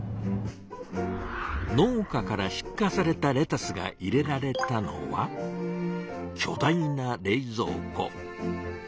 農家から出荷されたレタスが入れられたのはきょ大な冷蔵庫。